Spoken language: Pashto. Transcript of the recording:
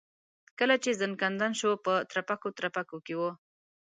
کله چې ځنکدن شو په ترپکو ترپکو کې و.